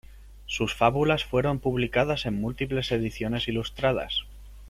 Sus fábulas fueron publicadas en múltiples ediciones ilustradas.